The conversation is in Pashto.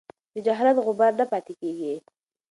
د جهالت غبار نه پاتې کېږي.